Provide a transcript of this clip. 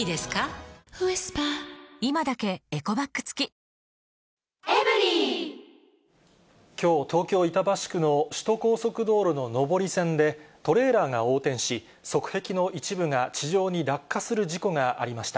何かが爆発したような音が、きょう、東京・板橋区の首都高速道路の上り線でトレーラーが横転し、側壁の一部が地上に落下する事故がありました。